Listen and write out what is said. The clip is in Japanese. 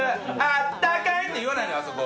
「あったかい！」って言わないのよあそこ。